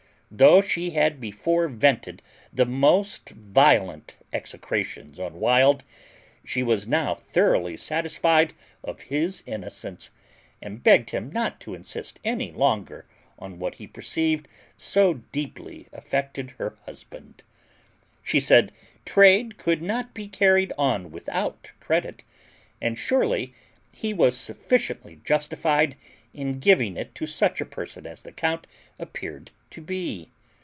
Though she had before vented the most violent execrations on Wild, she was now thoroughly satisfied of his innocence, and begged him not to insist any longer on what he perceived so deeply affected her husband. She said trade could not be carried on without credit, and surely he was sufficiently justified in giving it to such a person as the count appeared to be.